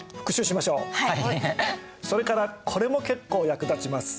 それからこれも結構役立ちます。